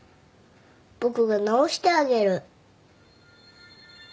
僕が治してあげる。